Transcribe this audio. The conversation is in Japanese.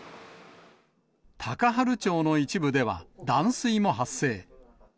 高原町の一部では、断水も発生。